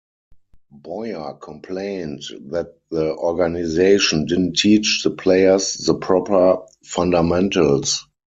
Boyer complained that the organization didn't teach the players the proper fundamentals.